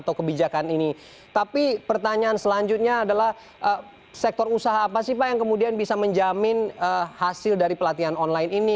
tapi pertanyaan selanjutnya adalah sektor usaha apa sih pak yang kemudian bisa menjamin hasil dari pelatihan online ini